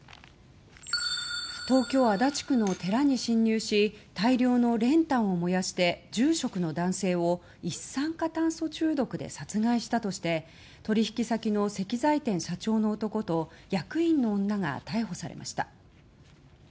東京・足立区の寺に侵入し大量の練炭を燃やして住職の男性を一酸化炭素中毒で殺害したとして取引先の石材店社長の男と役員の女が逮捕されました。